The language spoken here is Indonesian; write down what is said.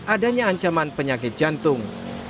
adanya ancaman penyakit jantung